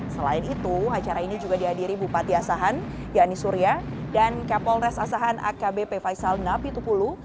selain itu acara ini juga dihadiri bupati asahan yani surya dan kapolres asahan akbp faisal napi tupulu